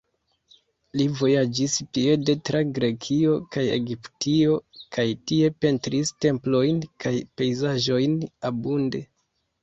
Li vojaĝis piede tra Grekio kaj Egiptio kaj tie pentris templojn kaj pejzaĝojn abunde.